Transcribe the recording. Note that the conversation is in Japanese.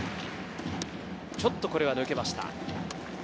ちょっとこれは抜けました。